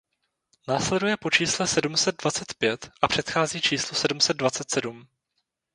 Následuje po čísle sedm set dvacet pět a předchází číslu sedm set dvacet sedm.